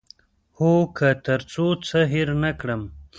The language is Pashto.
هو، که تر څو څه هیر نه کړم